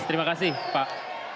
terima kasih pak